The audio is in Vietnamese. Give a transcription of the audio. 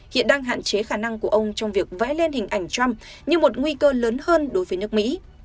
hiện đang hạn chế khả năng của ông trong việc vẽ lên hình ảnh trump như một nguy cơ lớn hơn đối với nước mỹ